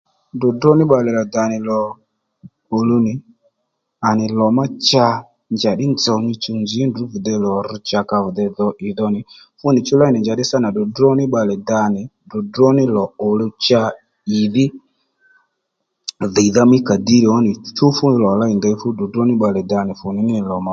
Dròdró ní bbalè rà dà nì lò òluw nì à nì lò ma cha njàddí nzòw nyi chuw nzǐ à bì dey nzǐ lò rř cha ka bì dey tdrà ìdho nì fúnì chú ley nì njàddí sâ nà dròdró ní bbalè da nì dròdró ní lò òluw cha ìdhí dhìydha mí kàdír ó nì chú fú lò ley ndey fú dròdró ní bbalè da nì fù ní nì lò mà òluw